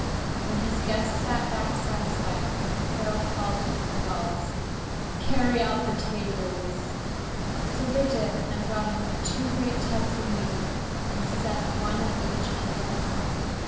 When the guests sat back satisfied, Harald called to the thralls: "Carry out the tables." So they did and brought in two great tubs of mead and set one at each end of the hall.